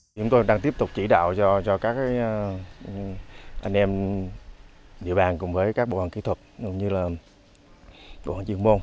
chúng tôi đang tiếp tục chỉ đạo cho các anh em địa bàn cùng với các bộ hành kỹ thuật như là bộ hành chuyên môn